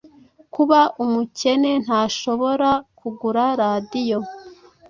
Kuba umukenentashobora kugura radiyo